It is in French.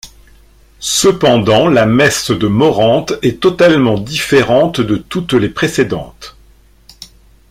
Cependant la messe de Morente est totalement différente de toutes les précédentes.